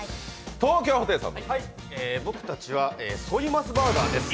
僕たちはソイモスバーガーです。